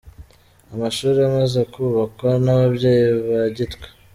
Amashuri amaze kubakwa n’ababyeyi ba Gitwe.